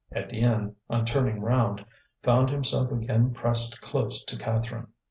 Étienne, on turning round, found himself again pressed close to Catherine.